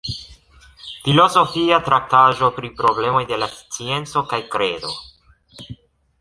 Filozofia traktaĵo pri problemoj de la scienco kaj kredo.